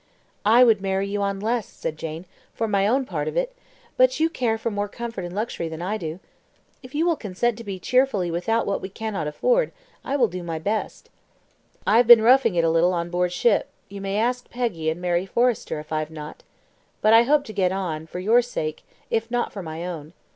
"I would marry you on less," said Jane, "for my own part of it; but you care more for comfort and luxury than I do. If you will consent to be cheerfully without what we cannot afford, I will do my best." "I have been roughing it a little on board ship; you may ask Peggy and Mary Forrester if I have not. But I hope to get on, for your sake, if not for my own.